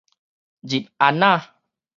入安仔